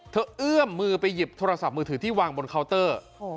เอื้อมมือไปหยิบโทรศัพท์มือถือที่วางบนเคาน์เตอร์